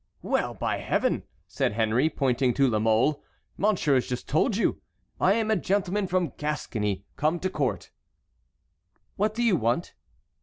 "Well, by Heaven!" said Henry, pointing to La Mole, "monsieur has just told you; I am a gentleman from Gascony come to court." "What do you want?"